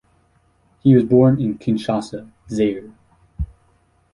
He was born in Kinshasa, Zaire.